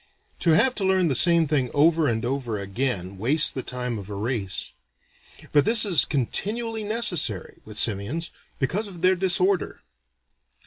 To have to learn the same thing over and over again wastes the time of a race. But this is continually necessary, with simians, because of their disorder.